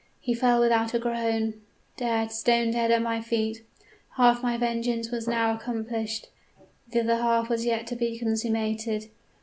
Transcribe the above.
He fell without a groan dead, stone dead at my feet. Half of my vengeance was now accomplished; the other half was yet to be consummated.